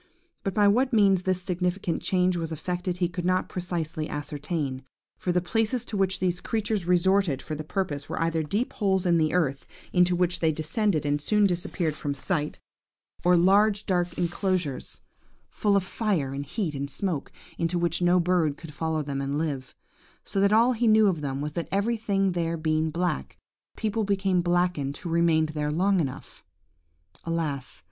But by what means this significant change was effected he could not precisely ascertain; for the places to which these creatures resorted for the purpose were either deep holes in the earth, into which they descended, and soon disappeared from sight, or large dark enclosures, full of fire and heat and smoke, into which no bird could follow them and live; so that all he knew of them was that everything there being black, people became blackened who remained there long enough. Alas!